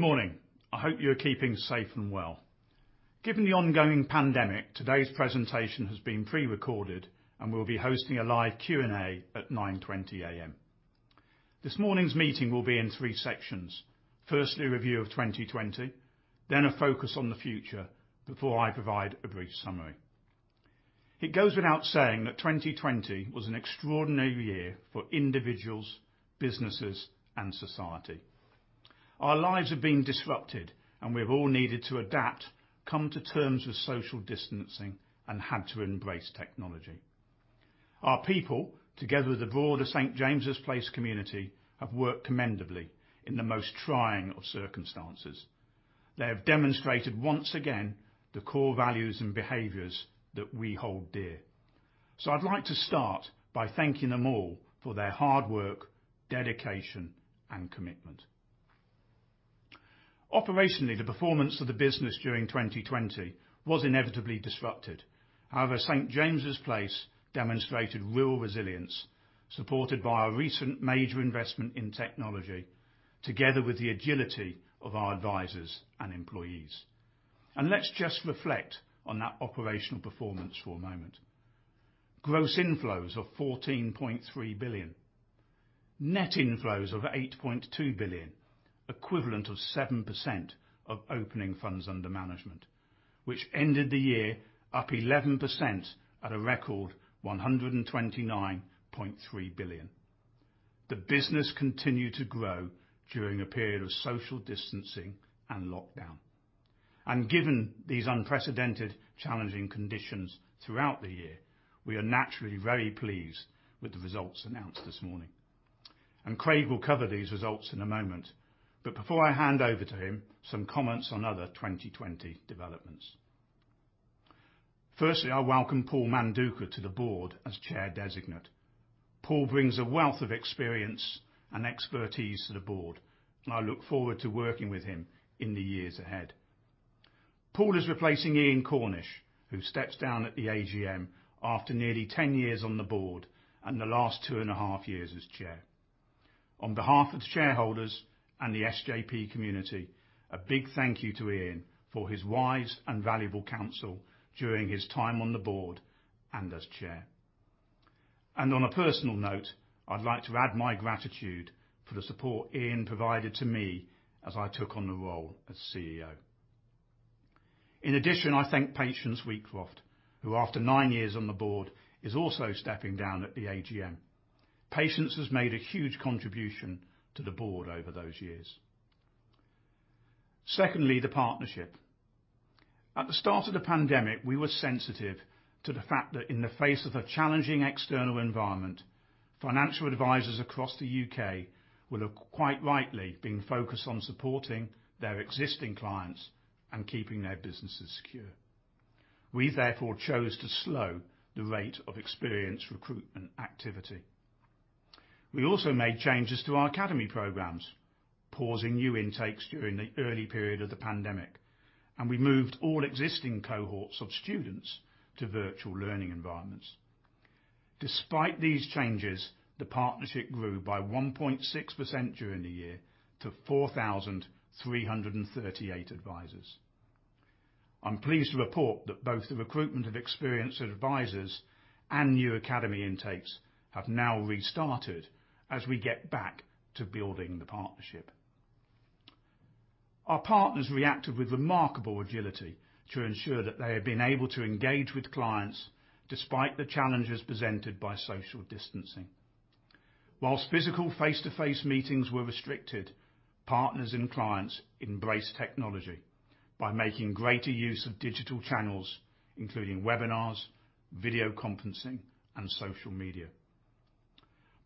Good morning. I hope you're keeping safe and well. Given the ongoing pandemic, today's presentation has been pre-recorded, and we'll be hosting a live Q&A at 9:20 A.M. This morning's meeting will be in three sections. Firstly, a review of 2020, then a focus on the future, before I provide a brief summary. It goes without saying that 2020 was an extraordinary year for individuals, businesses, and society. Our lives have been disrupted, and we've all needed to adapt, come to terms with social distancing, and had to embrace technology. Our people, together with the broader St. James's Place community, have worked commendably in the most trying of circumstances. They have demonstrated once again the core values and behaviors that we hold dear. I'd like to start by thanking them all for their hard work, dedication, and commitment. Operationally, the performance of the business during 2020 was inevitably disrupted. St. James's Place demonstrated real resilience, supported by our recent major investment in technology, together with the agility of our advisors and employees. Let's just reflect on that operational performance for a moment. Gross inflows of 14.3 billion. Net inflows of 8.2 billion, equivalent of 7% of opening funds under management, which ended the year up 11% at a record 129.3 billion. The business continued to grow during a period of social distancing and lockdown. Given these unprecedented challenging conditions throughout the year, we are naturally very pleased with the results announced this morning. Craig will cover these results in a moment, but before I hand over to him, some comments on other 2020 developments. Firstly, I welcome Paul Manduca to the board as Chair Designate. Paul brings a wealth of experience and expertise to the board, and I look forward to working with him in the years ahead. Paul is replacing Iain Cornish, who steps down at the AGM after nearly 10 years on the board and the last two and a half years as chair. On behalf of the shareholders and the SJP community, a big thank you to Iain for his wise and valuable counsel during his time on the board and as chair. On a personal note, I'd like to add my gratitude for the support Iain provided to me as I took on the role as CEO. In addition, I thank Patience Wheatcroft, who after nine years on the board, is also stepping down at the AGM. Patience has made a huge contribution to the board over those years. Secondly, the partnership. At the start of the pandemic, we were sensitive to the fact that in the face of a challenging external environment, financial advisors across the U.K. would have quite rightly been focused on supporting their existing clients and keeping their businesses secure. We therefore chose to slow the rate of experience recruitment activity. We also made changes to our academy programs, pausing new intakes during the early period of the pandemic, and we moved all existing cohorts of students to virtual learning environments. Despite these changes, the partnership grew by 1.6% during the year to 4,338 advisors. I'm pleased to report that both the recruitment of experienced advisors and new academy intakes have now restarted as we get back to building the partnership. Our partners reacted with remarkable agility to ensure that they have been able to engage with clients despite the challenges presented by social distancing. Whilst physical face-to-face meetings were restricted, partners and clients embraced technology by making greater use of digital channels, including webinars, video conferencing, and social media.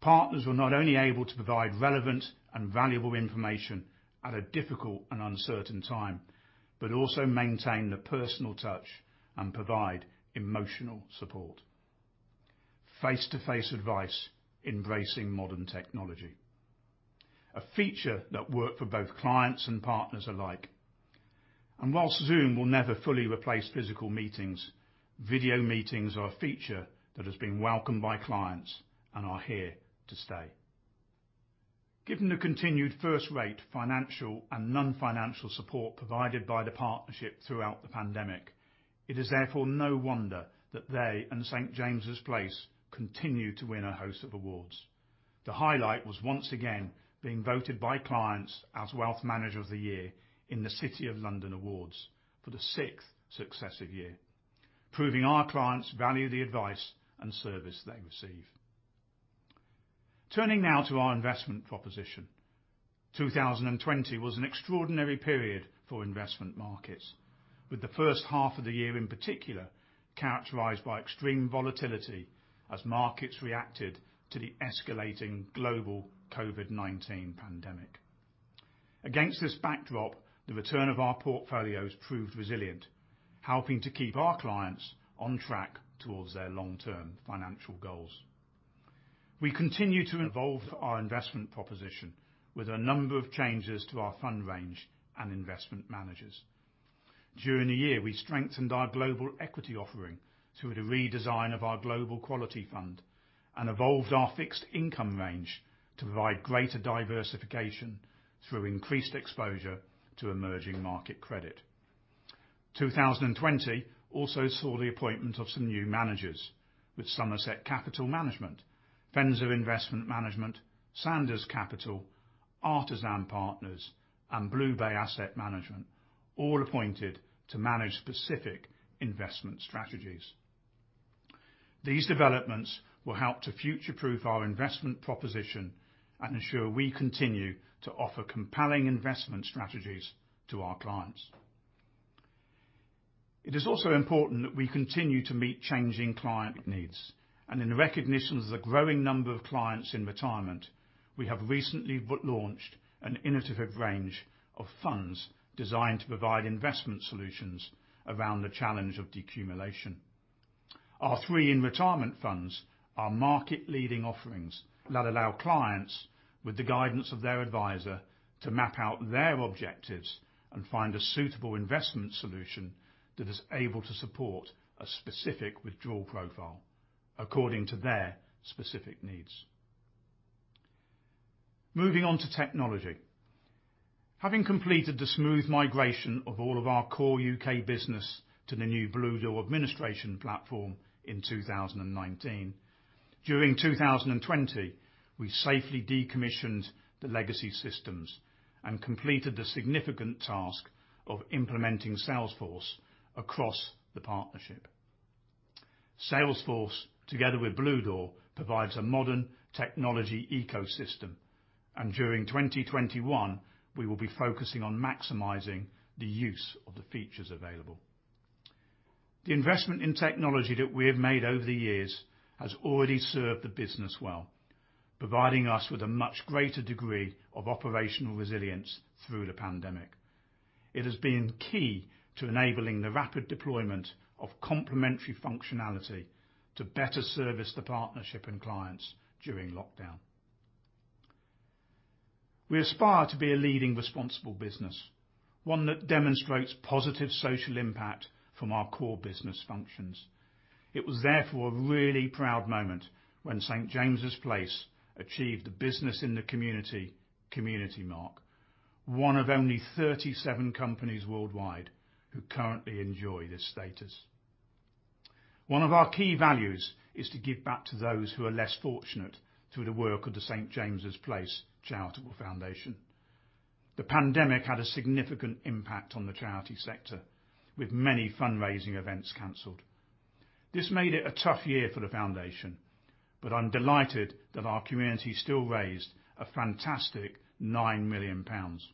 Partners were not only able to provide relevant and valuable information at a difficult and uncertain time, but also maintain the personal touch and provide emotional support. Face-to-face advice, embracing modern technology. A feature that worked for both clients and partners alike. Whilst Zoom will never fully replace physical meetings, video meetings are a feature that has been welcomed by clients and are here to stay. Given the continued first-rate financial and non-financial support provided by the partnership throughout the pandemic, it is therefore no wonder that they and St. James's Place continue to win a host of awards. The highlight was once again being voted by clients as Wealth Manager of the Year in the City of London Wealth Management Awards for the sixth successive year, proving our clients value the advice and service they receive. Turning now to our investment proposition. 2020 was an extraordinary period for investment markets, with the first half of the year in particular characterized by extreme volatility as markets reacted to the escalating global COVID-19 pandemic. Against this backdrop, the return of our portfolios proved resilient, helping to keep our clients on track towards their long-term financial goals. We continue to evolve our investment proposition with a number of changes to our fund range and investment managers. During the year, we strengthened our global equity offering through the redesign of our Global Quality fund, and evolved our fixed income range to provide greater diversification through increased exposure to emerging market credit. 2020 also saw the appointment of some new managers, with Somerset Capital Management, Fenner Investment Management, Sanders Capital, Artisan Partners, and BlueBay Asset Management all appointed to manage specific investment strategies. These developments will help to future-proof our investment proposition and ensure we continue to offer compelling investment strategies to our clients. It is also important that we continue to meet changing client needs, and in recognition of the growing number of clients in retirement, we have recently launched an innovative range of funds designed to provide investment solutions around the challenge of decumulation. Our three InRetirement funds are market-leading offerings that allow clients, with the guidance of their advisor, to map out their objectives and find a suitable investment solution that is able to support a specific withdrawal profile according to their specific needs. Moving on to technology. Having completed the smooth migration of all of our core U.K. business to the new Bluedoor administration platform in 2019, during 2020, we safely decommissioned the legacy systems and completed the significant task of implementing Salesforce across the partnership. Salesforce, together with Bluedoor, provides a modern technology ecosystem, and during 2021, we will be focusing on maximizing the use of the features available. The investment in technology that we have made over the years has already served the business well, providing us with a much greater degree of operational resilience through the pandemic. It has been key to enabling the rapid deployment of complementary functionality to better service the partnership and clients during lockdown. We aspire to be a leading responsible business, one that demonstrates positive social impact from our core business functions. It was therefore a really proud moment when St. James's Place achieved the Business in the Community CommunityMark, one of only 37 companies worldwide who currently enjoy this status. One of our key values is to give back to those who are less fortunate through the work of the St. James's Place Charitable Foundation. The pandemic had a significant impact on the charity sector, with many fundraising events canceled. It made it a tough year for the foundation, but I'm delighted that our community still raised a fantastic 9 million pounds,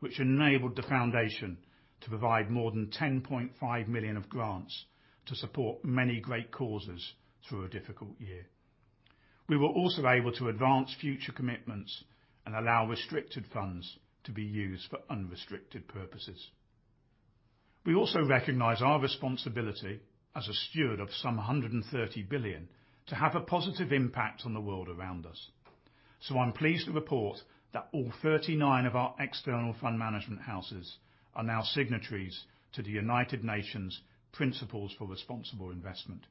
which enabled the foundation to provide more than 10.5 million of grants to support many great causes through a difficult year. We were also able to advance future commitments and allow restricted funds to be used for unrestricted purposes. We also recognize our responsibility as a steward of some 130 billion to have a positive impact on the world around us. I'm pleased to report that all 39 of our external fund management houses are now signatories to the United Nations Principles for Responsible Investment.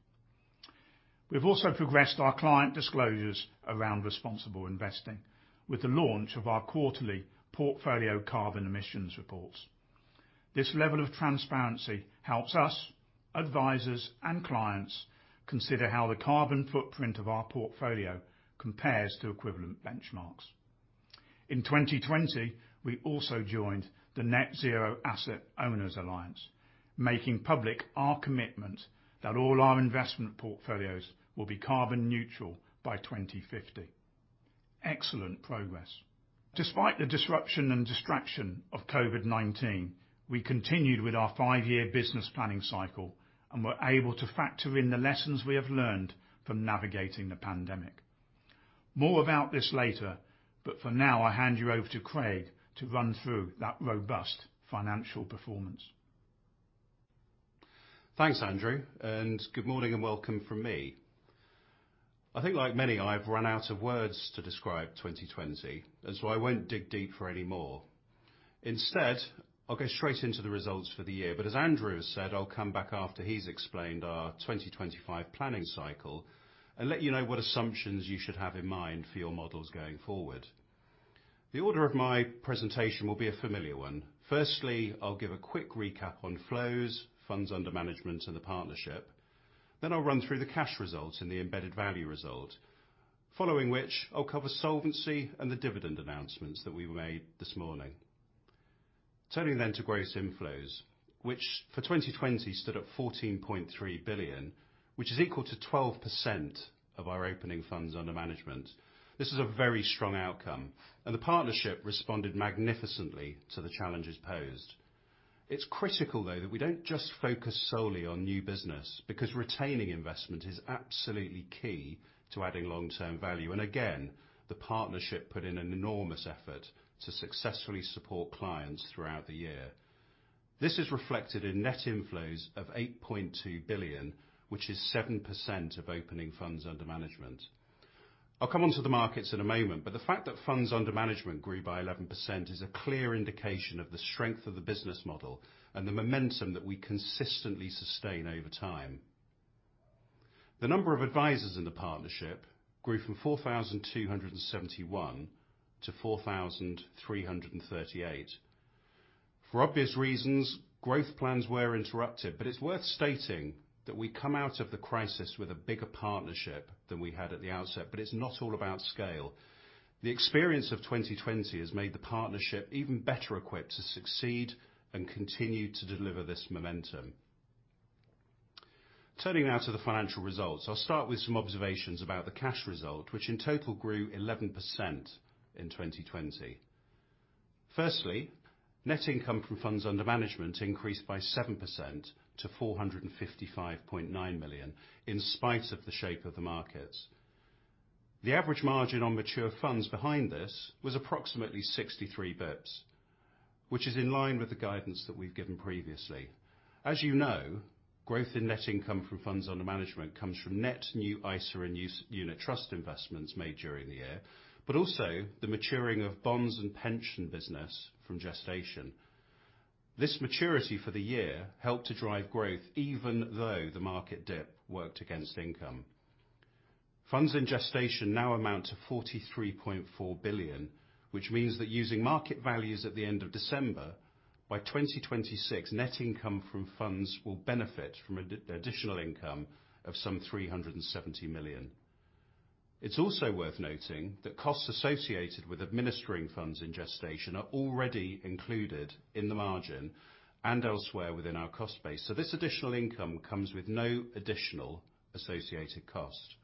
We've also progressed our client disclosures around responsible investing with the launch of our quarterly portfolio carbon emissions reports. This level of transparency helps us, advisors, and clients consider how the carbon footprint of our portfolio compares to equivalent benchmarks. In 2020, we also joined the Net-Zero Asset Owner Alliance, making public our commitment that all our investment portfolios will be carbon neutral by 2050. Excellent progress. Despite the disruption and distraction of COVID-19, we continued with our five-year business planning cycle and were able to factor in the lessons we have learned from navigating the pandemic. More about this later. For now, I hand you over to Craig to run through that robust financial performance. Thanks, Andrew. Good morning and welcome from me. I think, like many, I've run out of words to describe 2020. I won't dig deeper anymore. Instead, I'll go straight into the results for the year. As Andrew said, I'll come back after he's explained our 2025 planning cycle and let you know what assumptions you should have in mind for your models going forward. The order of my presentation will be a familiar one. Firstly, I'll give a quick recap on flows, funds under management, and the partnership. I'll run through the cash results and the embedded value result. Following which, I'll cover solvency and the dividend announcements that we've made this morning. Turning to gross inflows, which for 2020 stood at 14.3 billion, which is equal to 12% of our opening funds under management. This is a very strong outcome, and the partnership responded magnificently to the challenges posed. It's critical, though, that we don't just focus solely on new business, because retaining investment is absolutely key to adding long-term value. Again, the partnership put in an enormous effort to successfully support clients throughout the year. This is reflected in net inflows of 8.2 billion, which is 7% of opening funds under management. I'll come onto the markets in a moment, but the fact that funds under management grew by 11% is a clear indication of the strength of the business model and the momentum that we consistently sustain over time. The number of advisors in the partnership grew from 4,271-4,338. For obvious reasons, growth plans were interrupted. It's worth stating that we come out of the crisis with a bigger partnership than we had at the outset. It's not all about scale. The experience of 2020 has made the partnership even better equipped to succeed and continue to deliver this momentum. Turning now to the financial results. I'll start with some observations about the cash result, which in total grew 11% in 2020. Firstly, net income from funds under management increased by 7% to 455.9 million, in spite of the shape of the markets. The average margin on mature funds behind this was approximately 63 bips, which is in line with the guidance that we've given previously. As you know, growth in net income from funds under management comes from net new ISA and unit trust investments made during the year, but also the maturing of bonds and pension business from gestation. This maturity for the year helped to drive growth even though the market dip worked against income. Funds in gestation now amount to 43.4 billion, which means that using market values at the end of December, by 2026, net income from funds will benefit from additional income of some 370 million. It's also worth noting that costs associated with administering funds in gestation are already included in the margin and elsewhere within our cost base. This additional income comes with no additional associated cost.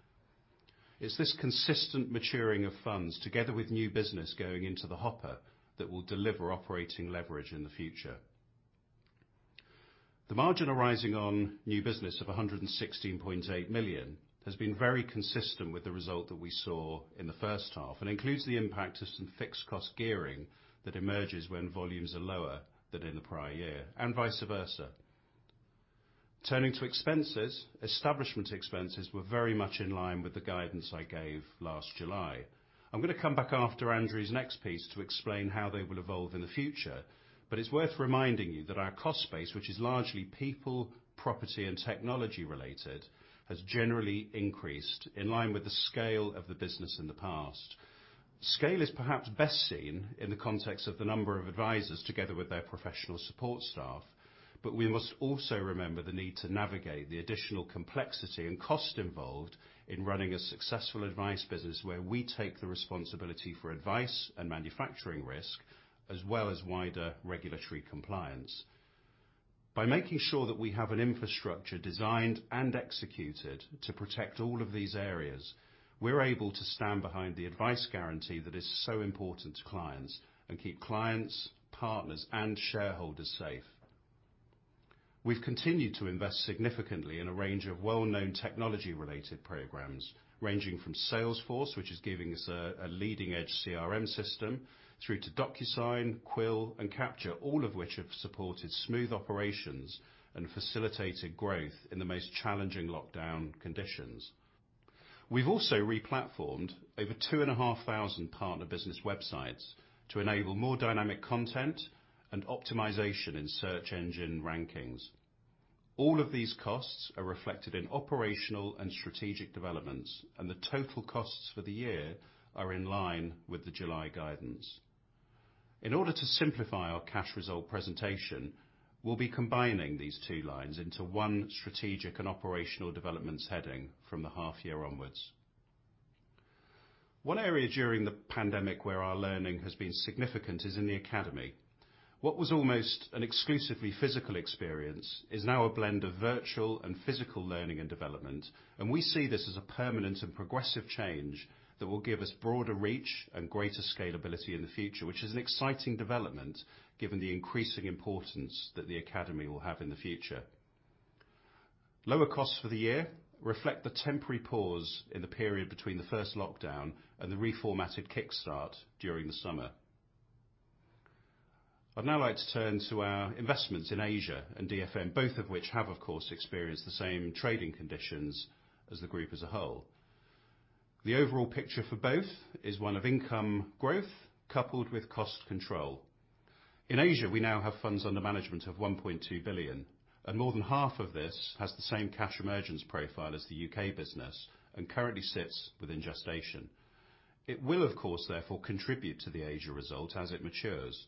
It's this consistent maturing of funds together with new business going into the hopper, that will deliver operating leverage in the future. The margin arising on new business of 116.8 million has been very consistent with the result that we saw in the first half and includes the impact of some fixed cost gearing that emerges when volumes are lower than in the prior year, and vice versa. Turning to expenses, establishment expenses were very much in line with the guidance I gave last July. I'm going to come back after Andrew's next piece to explain how they will evolve in the future, but it's worth reminding you that our cost base, which is largely people, property, and technology related, has generally increased in line with the scale of the business in the past. Scale is perhaps best seen in the context of the number of advisors together with their professional support staff, but we must also remember the need to navigate the additional complexity and cost involved in running a successful advice business where we take the responsibility for advice and manufacturing risk, as well as wider regulatory compliance. By making sure that we have an infrastructure designed and executed to protect all of these areas, we're able to stand behind the advice guarantee that is so important to clients and keep clients, partners, and shareholders safe. We've continued to invest significantly in a range of well-known technology-related programs, ranging from Salesforce, which is giving us a leading-edge CRM system, through to DocuSign, Qwill, and Capture, all of which have supported smooth operations and facilitated growth in the most challenging lockdown conditions. We've also replatformed over 2,500 partner business websites to enable more dynamic content and optimization in search engine rankings. All of these costs are reflected in operational and strategic developments, and the total costs for the year are in line with the July guidance. In order to simplify our cash result presentation, we'll be combining these two lines into one strategic and operational developments heading from the half year onwards. One area during the pandemic where our learning has been significant is in the academy. What was almost an exclusively physical experience is now a blend of virtual and physical learning and development, and we see this as a permanent and progressive change that will give us broader reach and greater scalability in the future, which is an exciting development given the increasing importance that the academy will have in the future. Lower costs for the year reflect the temporary pause in the period between the first lockdown and the reformatted kick start during the summer. I'd now like to turn to our investments in Asia and DFM, both of which have, of course, experienced the same trading conditions as the group as a whole. The overall picture for both is one of income growth coupled with cost control. More than half of this has the same cash emergence profile as the U.K. business and currently sits within gestation. It will, of course, therefore, contribute to the Asia result as it matures.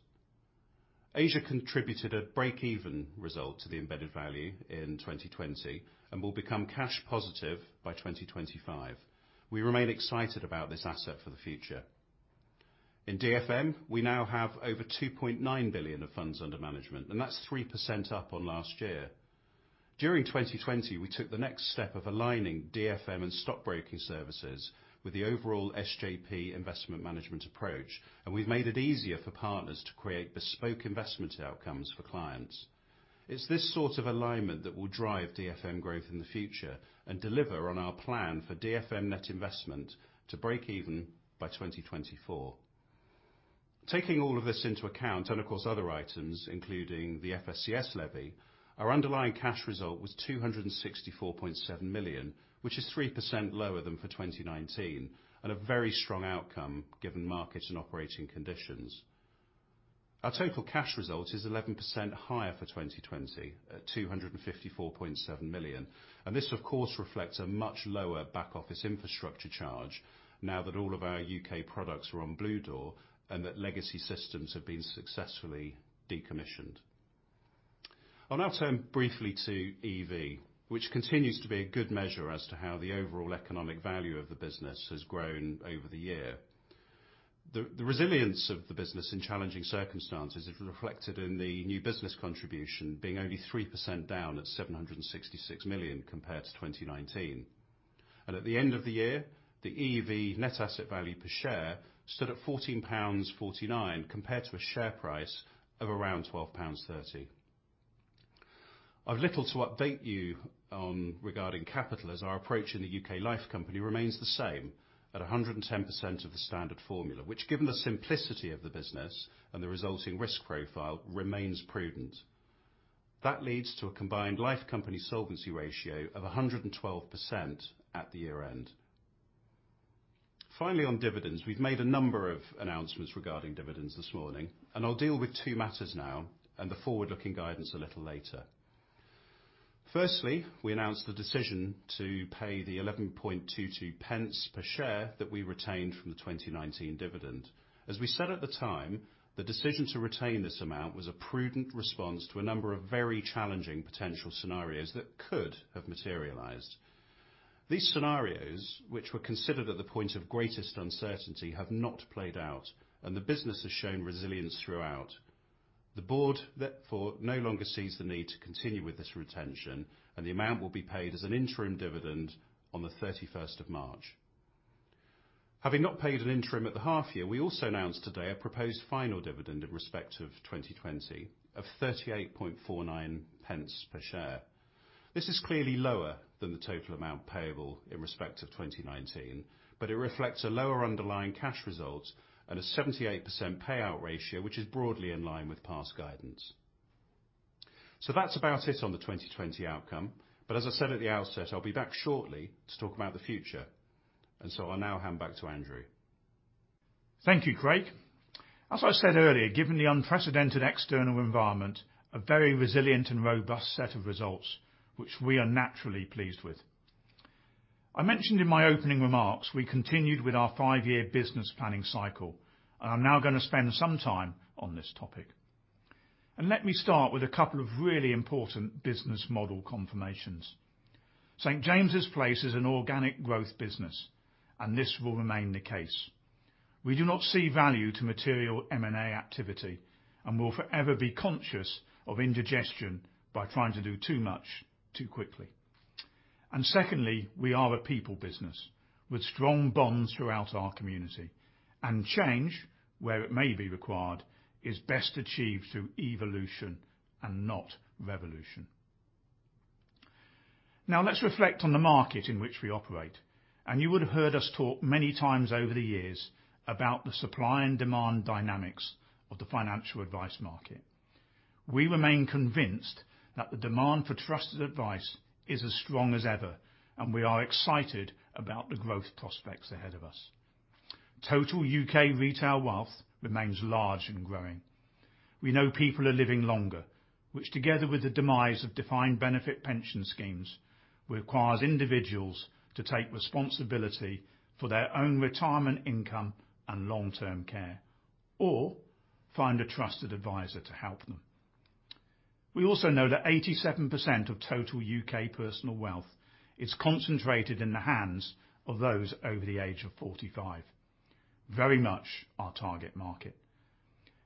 Asia contributed a break even result to the embedded value in 2020. Will become cash positive by 2025. We remain excited about this asset for the future. In DFM, we now have over 2.9 billion of funds under management, and that's 3% up on last year. During 2020, we took the next step of aligning DFM and stockbroking services with the overall SJP investment management approach, and we've made it easier for partners to create bespoke investment outcomes for clients. It's this sort of alignment that will drive DFM growth in the future and deliver on our plan for DFM net investment to break even by 2024. Taking all of this into account, and of course other items, including the FSCS levy, our underlying cash result was 264.7 million, which is 3% lower than for 2019 and a very strong outcome given markets and operating conditions. Our total cash result is 11% higher for 2020 at 254.7 million. This, of course, reflects a much lower back office infrastructure charge now that all of our U.K. products are on Bluedoor and that legacy systems have been successfully decommissioned. I'll now turn briefly to EEV, which continues to be a good measure as to how the overall economic value of the business has grown over the year. The resilience of the business in challenging circumstances is reflected in the new business contribution being only 3% down at 766 million compared to 2019. At the end of the year, the EEV net asset value per share stood at 14.49 pounds compared to a share price of around 12.30 pounds. I've little to update you on regarding capital, as our approach in the U.K. Life company remains the same at 110% of the standard formula, which given the simplicity of the business and the resulting risk profile, remains prudent. That leads to a combined life company solvency ratio of 112% at the year-end. On dividends, we've made a number of announcements regarding dividends this morning, and I'll deal with two matters now and the forward-looking guidance a little later. We announced the decision to pay the 0.1122 per share that we retained from the 2019 dividend. As we said at the time, the decision to retain this amount was a prudent response to a number of very challenging potential scenarios that could have materialized. These scenarios, which were considered at the point of greatest uncertainty, have not played out, and the business has shown resilience throughout. The Board, therefore, no longer sees the need to continue with this retention, and the amount will be paid as an interim dividend on the 31st of March. Having not paid an interim at the half year, we also announced today a proposed final dividend in respect of 2020 of 0.3849 per share. This is clearly lower than the total amount payable in respect of 2019, but it reflects a lower underlying cash result and a 78% payout ratio, which is broadly in line with past guidance. That's about it on the 2020 outcome. As I said at the outset, I'll be back shortly to talk about the future. I'll now hand back to Andrew. Thank you, Craig. As I said earlier, given the unprecedented external environment, a very resilient and robust set of results, which we are naturally pleased with. I mentioned in my opening remarks we continued with our five-year business planning cycle. I'm now going to spend some time on this topic. Let me start with a couple of really important business model confirmations. St. James's Place is an organic growth business, and this will remain the case. We do not see value to material M&A activity and will forever be conscious of indigestion by trying to do too much, too quickly. Secondly, we are a people business with strong bonds throughout our community. Change, where it may be required, is best achieved through evolution and not revolution. Let's reflect on the market in which we operate. You would have heard us talk many times over the years about the supply and demand dynamics of the financial advice market. We remain convinced that the demand for trusted advice is as strong as ever, and we are excited about the growth prospects ahead of us. Total U.K. retail wealth remains large and growing. We know people are living longer, which together with the demise of defined benefit pension schemes, requires individuals to take responsibility for their own retirement income and long-term care, or find a trusted advisor to help them. We also know that 87% of total U.K. personal wealth is concentrated in the hands of those over the age of 45, very much our target market.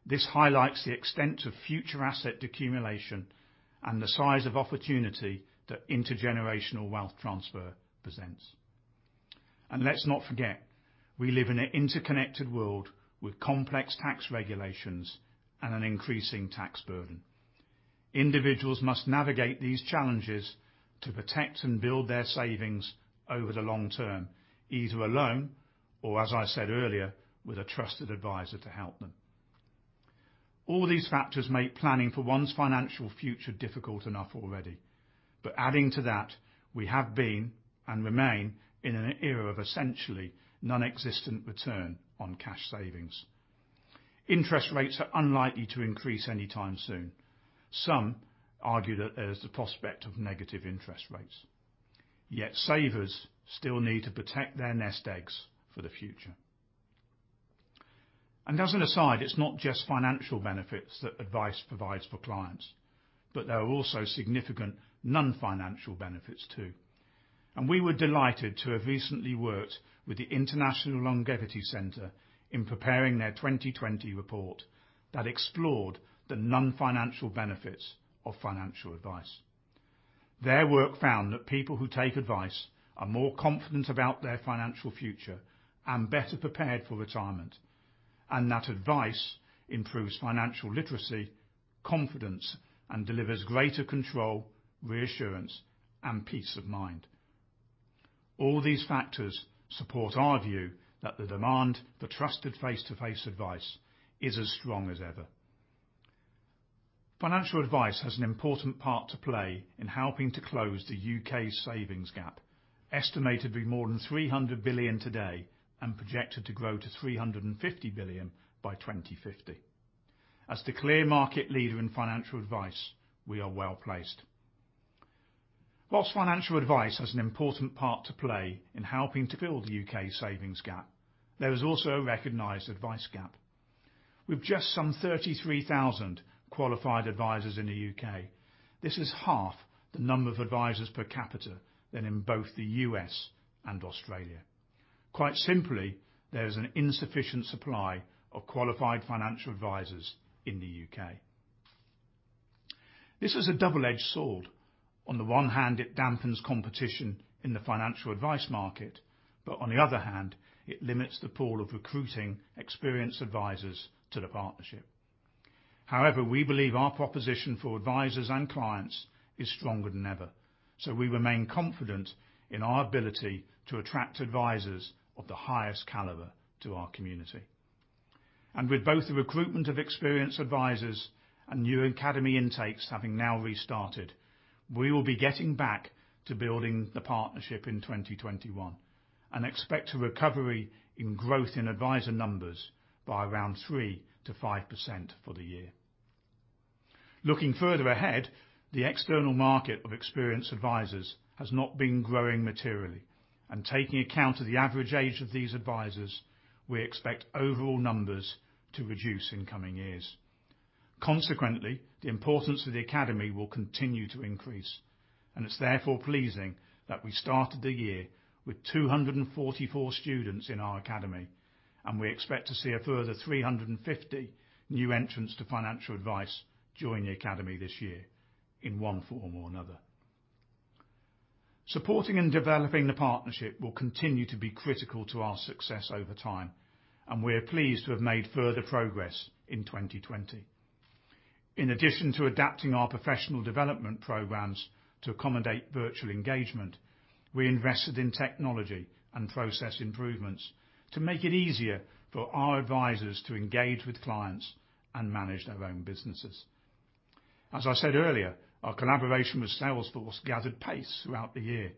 This highlights the extent of future asset accumulation and the size of opportunity that intergenerational wealth transfer presents. Let's not forget, we live in an interconnected world with complex tax regulations and an increasing tax burden. Individuals must navigate these challenges to protect and build their savings over the long term, either alone or, as I said earlier, with a trusted advisor to help them. All these factors make planning for one's financial future difficult enough already. Adding to that, we have been and remain in an era of essentially nonexistent return on cash savings. Interest rates are unlikely to increase anytime soon. Some argue that there's the prospect of negative interest rates. Yet savers still need to protect their nest eggs for the future. As an aside, it's not just financial benefits that advice provides for clients, but there are also significant non-financial benefits, too. We were delighted to have recently worked with the International Longevity Centre in preparing their 2020 report that explored the non-financial benefits of financial advice. Their work found that people who take advice are more confident about their financial future and better prepared for retirement, and that advice improves financial literacy, confidence, and delivers greater control, reassurance, and peace of mind. All these factors support our view that the demand for trusted face-to-face advice is as strong as ever. Financial advice has an important part to play in helping to close the U.K.'s savings gap, estimated to be more than 300 billion today and projected to grow to 350 billion by 2050. As the clear market leader in financial advice, we are well-placed. Financial advice has an important part to play in helping to build the U.K. savings gap, there is also a recognized advice gap. With just some 33,000 qualified advisors in the U.K., this is half the number of advisors per capita than in both the U.S. and Australia. Quite simply, there is an insufficient supply of qualified financial advisors in the U.K. This is a double-edged sword. On the one hand, it dampens competition in the financial advice market, on the other hand, it limits the pool of recruiting experienced advisors to the Partnership. However, we believe our proposition for advisors and clients is stronger than ever, we remain confident in our ability to attract advisors of the highest caliber to our community. With both the recruitment of experienced advisors and new academy intakes having now restarted, we will be getting back to building the Partnership in 2021 and expect a recovery in growth in advisor numbers by around 3%-5% for the year. Looking further ahead, the external market of experienced advisors has not been growing materially. Taking account of the average age of these advisors, we expect overall numbers to reduce in coming years. Consequently, the importance of the Academy will continue to increase, and it's therefore pleasing that we started the year with 244 students in our Academy, and we expect to see a further 350 new entrants to financial advice join the Academy this year in one form or another. Supporting and developing the Partnership will continue to be critical to our success over time, and we are pleased to have made further progress in 2020. In addition to adapting our professional development programs to accommodate virtual engagement, we invested in technology and process improvements to make it easier for our advisors to engage with clients and manage their own businesses. As I said earlier, our collaboration with Salesforce gathered pace throughout the year,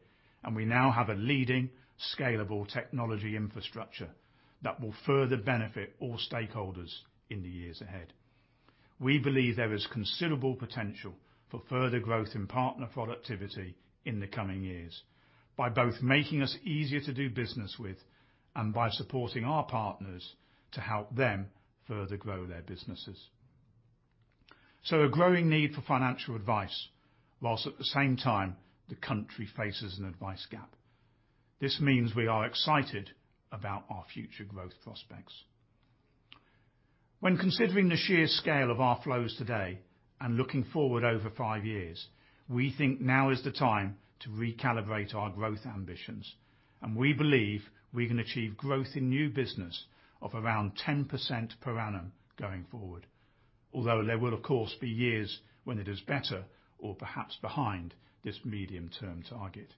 and we now have a leading scalable technology infrastructure that will further benefit all stakeholders in the years ahead. We believe there is considerable potential for further growth in partner productivity in the coming years by both making us easier to do business with and by supporting our partners to help them further grow their businesses. A growing need for financial advice, while at the same time the country faces an advice gap. This means we are excited about our future growth prospects. When considering the sheer scale of our flows today and looking forward over five years, we think now is the time to recalibrate our growth ambitions, and we believe we can achieve growth in new business of around 10% per annum going forward. Although there will of course be years when it is better or perhaps behind this medium-term target.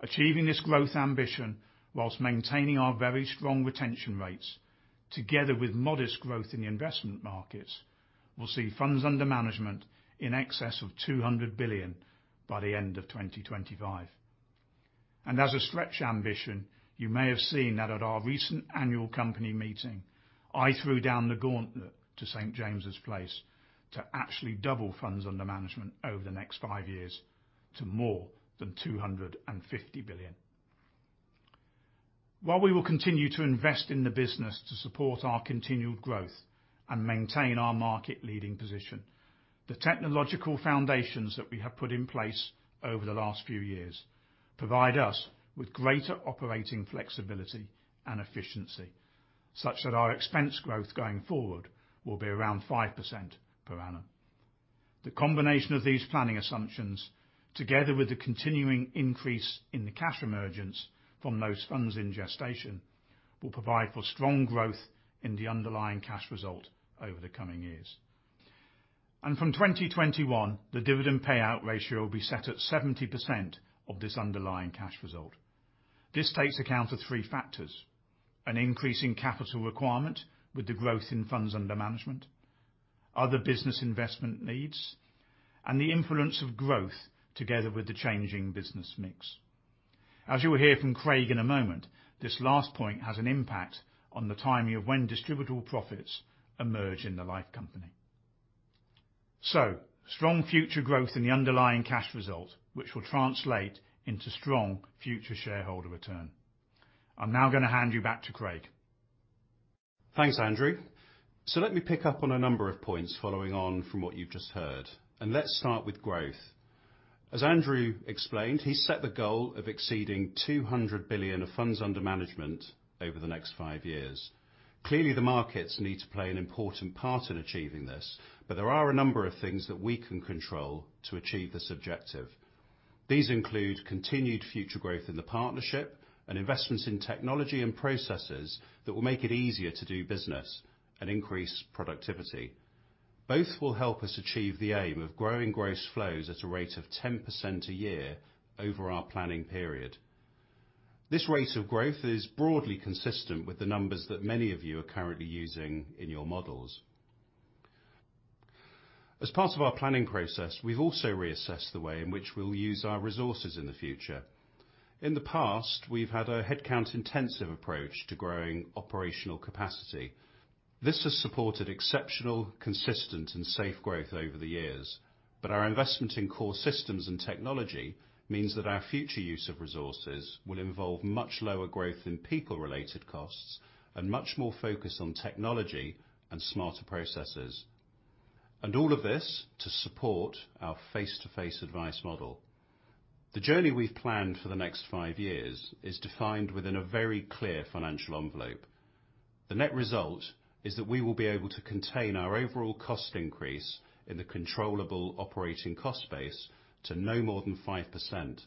Achieving this growth ambition while maintaining our very strong retention rates, together with modest growth in the investment markets, will see funds under management in excess of 200 billion by the end of 2025. As a stretch ambition, you may have seen that at our recent annual company meeting, I threw down the gauntlet to St. James's Place to actually double funds under management over the next five years to more than 250 billion. While we will continue to invest in the business to support our continued growth and maintain our market-leading position, the technological foundations that we have put in place over the last few years provide us with greater operating flexibility and efficiency, such that our expense growth going forward will be around 5% per annum. The combination of these planning assumptions, together with the continuing increase in the cash emergence from those funds in gestation, will provide for strong growth in the underlying cash result over the coming years. From 2021, the dividend payout ratio will be set at 70% of this underlying cash result. This takes account of three factors. An increase in capital requirement with the growth in funds under management, other business investment needs, and the influence of growth together with the changing business mix. As you will hear from Craig in a moment, this last point has an impact on the timing of when distributable profits emerge in the life company. Strong future growth in the underlying cash result, which will translate into strong future shareholder return. I'm now going to hand you back to Craig. Thanks, Andrew. Let me pick up on a number of points following on from what you've just heard, and let's start with growth. As Andrew explained, he set the goal of exceeding 200 billion of funds under management over the next five years. Clearly, the markets need to play an important part in achieving this, but there are a number of things that we can control to achieve this objective. These include continued future growth in the Partnership and investments in technology and processes that will make it easier to do business and increase productivity. Both will help us achieve the aim of growing gross flows at a rate of 10% a year over our planning period. This rate of growth is broadly consistent with the numbers that many of you are currently using in your models. As part of our planning process, we've also reassessed the way in which we'll use our resources in the future. In the past, we've had a headcount-intensive approach to growing operational capacity. This has supported exceptional, consistent, and safe growth over the years. Our investment in core systems and technology means that our future use of resources will involve much lower growth in people-related costs and much more focus on technology and smarter processes. All of this to support our face-to-face advice model. The journey we've planned for the next five years is defined within a very clear financial envelope. The net result is that we will be able to contain our overall cost increase in the controllable operating cost base to no more than 5%.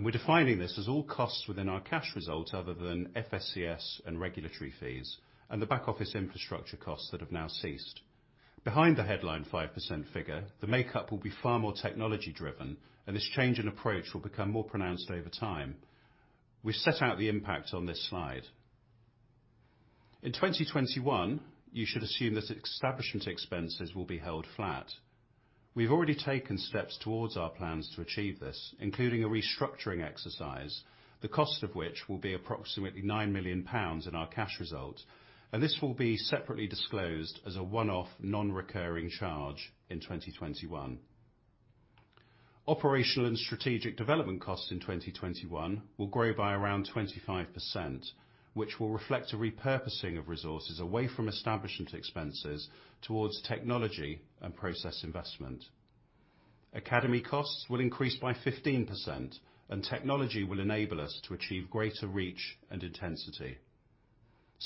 We're defining this as all costs within our cash results other than FSCS and regulatory fees, and the back-office infrastructure costs that have now ceased. Behind the headline 5% figure, the makeup will be far more technology-driven, and this change in approach will become more pronounced over time. We set out the impact on this slide. In 2021, you should assume that establishment expenses will be held flat. We've already taken steps towards our plans to achieve this, including a restructuring exercise, the cost of which will be approximately 9 million pounds in our cash result, and this will be separately disclosed as a one-off, non-recurring charge in 2021. Operational and strategic development costs in 2021 will grow by around 25%, which will reflect a repurposing of resources away from establishment expenses towards technology and process investment. Academy costs will increase by 15%, and technology will enable us to achieve greater reach and intensity.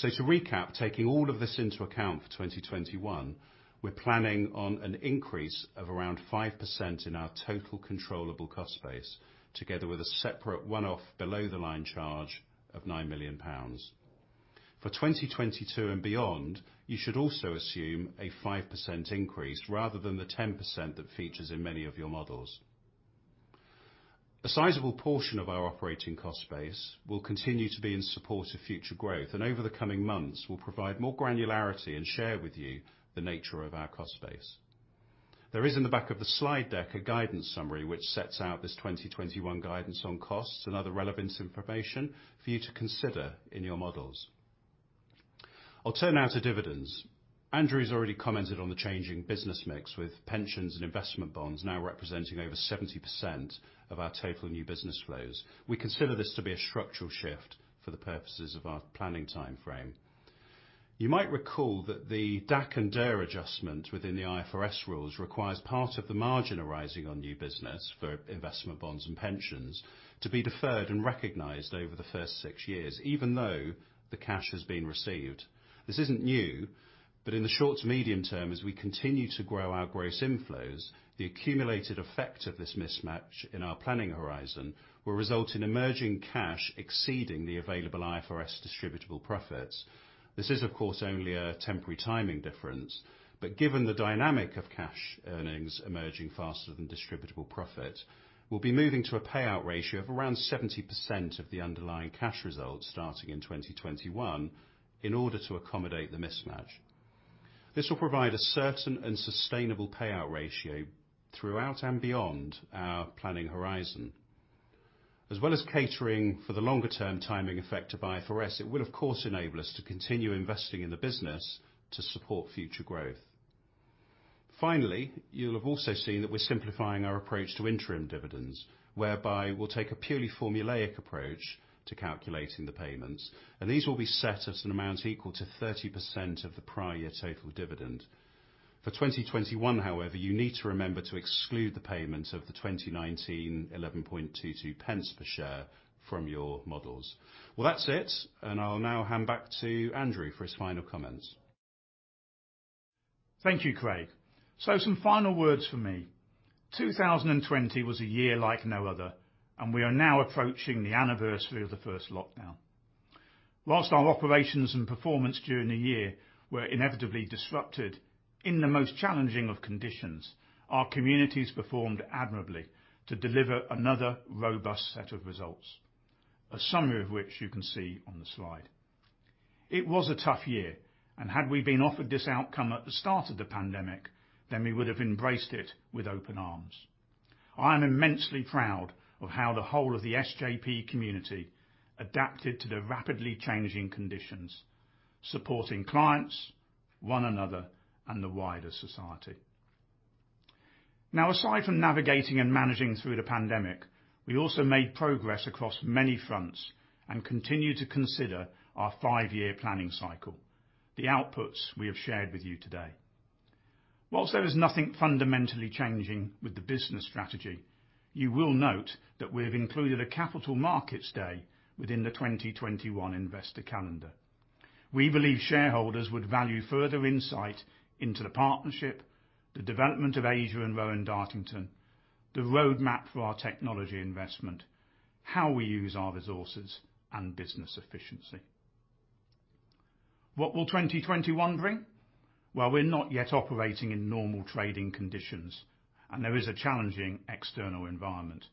To recap, taking all of this into account for 2021, we're planning on an increase of around 5% in our total controllable cost base, together with a separate one-off below-the-line charge of 9 million pounds. For 2022 and beyond, you should also assume a 5% increase rather than the 10% that features in many of your models. A sizable portion of our operating cost base will continue to be in support of future growth, and over the coming months, we'll provide more granularity and share with you the nature of our cost base. There is, in the back of the slide deck, a guidance summary which sets out this 2021 guidance on costs and other relevant information for you to consider in your models. I'll turn now to dividends. Andrew's already commented on the changing business mix, with pensions and investment bonds now representing over 70% of our total new business flows. We consider this to be a structural shift for the purposes of our planning timeframe. You might recall that the DAC and DIR adjustment within the IFRS rules requires part of the margin arising on new business for investment bonds and pensions to be deferred and recognized over the first six years, even though the cash has been received. This isn't new. In the short to medium term, as we continue to grow our gross inflows, the accumulated effect of this mismatch in our planning horizon will result in emerging cash exceeding the available IFRS distributable profits. This is, of course, only a temporary timing difference. Given the dynamic of cash earnings emerging faster than distributable profit, we'll be moving to a payout ratio of around 70% of the underlying cash results starting in 2021 in order to accommodate the mismatch. This will provide a certain and sustainable payout ratio throughout and beyond our planning horizon. As well as catering for the longer-term timing effect of IFRS, it will of course enable us to continue investing in the business to support future growth. Finally, you'll have also seen that we're simplifying our approach to interim dividends, whereby we'll take a purely formulaic approach to calculating the payments, and these will be set at an amount equal to 30% of the prior year total dividend. For 2021, however, you need to remember to exclude the payment of the 2019 0.1122 per share from your models. Well, that's it. I'll now hand back to Andrew for his final comments. Thank you, Craig. Some final words from me. 2020 was a year like no other, and we are now approaching the anniversary of the first lockdown. Whilst our operations and performance during the year were inevitably disrupted, in the most challenging of conditions, our communities performed admirably to deliver another robust set of results, a summary of which you can see on the slide. It was a tough year, and had we been offered this outcome at the start of the pandemic, then we would have embraced it with open arms. I am immensely proud of how the whole of the SJP community adapted to the rapidly changing conditions, supporting clients, one another, and the wider society. Aside from navigating and managing through the pandemic, we also made progress across many fronts and continue to consider our five-year planning cycle, the outputs we have shared with you today. Whilst there is nothing fundamentally changing with the business strategy, you will note that we've included a capital markets day within the 2021 investor calendar. We believe shareholders would value further insight into the partnership, the development of Asia and Rowan Dartington, the roadmap for our technology investment, how we use our resources, and business efficiency. What will 2021 bring? Well, we're not yet operating in normal trading conditions, and there is a challenging external environment.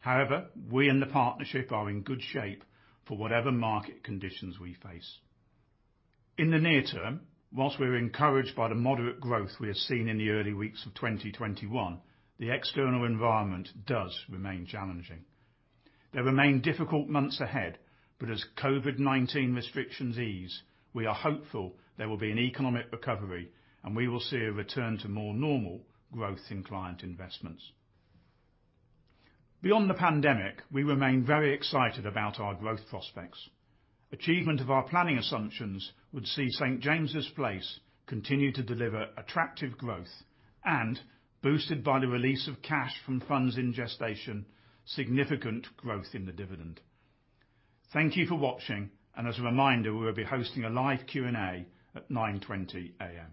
However, we in the partnership are in good shape for whatever market conditions we face. In the near term, whilst we're encouraged by the moderate growth we have seen in the early weeks of 2021, the external environment does remain challenging. There remain difficult months ahead, but as COVID-19 restrictions ease, we are hopeful there will be an economic recovery, and we will see a return to more normal growth in client investments. Beyond the pandemic, we remain very excited about our growth prospects. Achievement of our planning assumptions would see St. James's Place continue to deliver attractive growth and, boosted by the release of cash from funds in gestation, significant growth in the dividend. Thank you for watching, and as a reminder, we will be hosting a live Q&A at 9:20 A.M.